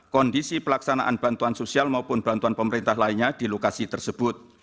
kondisi pelaksanaan bantuan sosial maupun bantuan pemerintah lainnya di lokasi tersebut